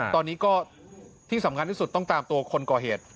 ตอนนี้ก็ที่สำคัญที่สุดต้องตามตัวคนก่อเหตุ